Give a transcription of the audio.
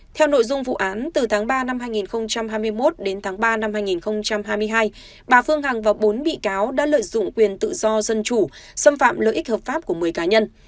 theo nội dung vụ án từ tháng ba năm hai nghìn hai mươi một đến tháng ba năm hai nghìn hai mươi hai bà phương hằng và bốn bị cáo đã lợi dụng quyền tự do dân chủ xâm phạm lợi ích hợp pháp của một mươi cá nhân